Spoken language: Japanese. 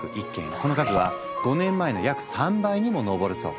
この数は５年前の約３倍にも上るそう。